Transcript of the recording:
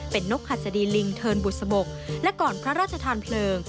เป็นนกหัสดีลิงเทินบุษบกและก่อนพระราชทานเพลิง